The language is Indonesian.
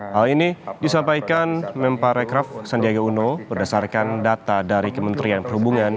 hal ini disampaikan memparekraf sandiaga uno berdasarkan data dari kementerian perhubungan